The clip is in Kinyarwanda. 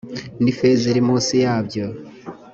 n ifeza iri munsi yabyo